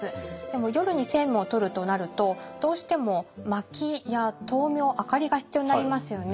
でも夜に政務をとるとなるとどうしてもまきや灯明明かりが必要になりますよね。